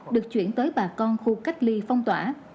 được chuyển tới bà con khu cách ly phong tỏa